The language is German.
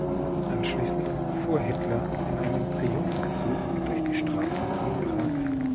Anschließend fuhr Hitler in einem Triumphzug durch die Straßen von Graz.